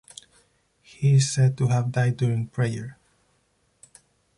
He is said to have died during prayer.